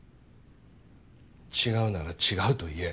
違うなら違うと言え。